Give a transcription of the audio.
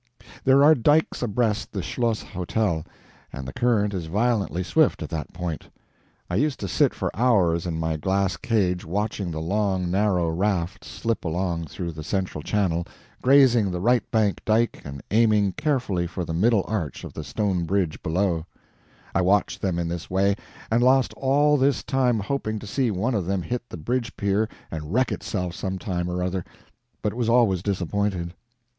There are dikes abreast the Schloss Hotel, and the current is violently swift at that point. I used to sit for hours in my glass cage, watching the long, narrow rafts slip along through the central channel, grazing the right bank dike and aiming carefully for the middle arch of the stone bridge below; I watched them in this way, and lost all this time hoping to see one of them hit the bridge pier and wreck itself sometime or other, but was always disappointed.